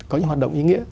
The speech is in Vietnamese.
có những hoạt động ý nghĩa